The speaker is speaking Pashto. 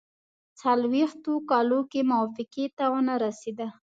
څلوېښتو کالو کې موافقې ته ونه رسېدل.